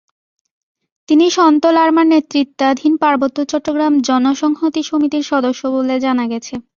তিনি সন্তু লারমার নেতৃত্বাধীন পার্বত্য চট্টগ্রাম জনসংহতি সমিতির সদস্য বলে জানা গেছে।